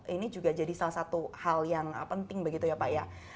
ini juga jadi salah satu hal yang penting begitu ya pak ya